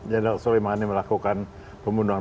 jendral soleimani melakukan pembunuhan